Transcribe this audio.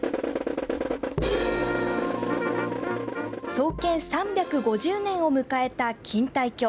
創建３５０年を迎えた錦帯橋。